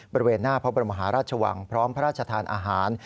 บริเวณหน้าพระบรมหาราชวังพร้อมพระราชทานอาหาร